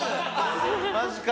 マジか。